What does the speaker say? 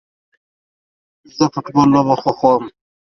زه فټبال لوبه خوښوم